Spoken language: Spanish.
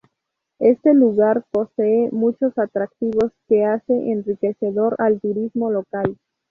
Este lugar posee muchos atractivos que hace enriquecedor al turismo local.